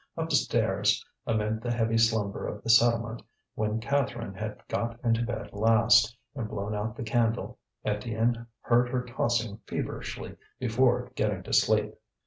Upstairs, amid the heavy slumber of the settlement when Catherine had got into bed last and blown out the candle, Étienne heard her tossing feverishly before getting to sleep.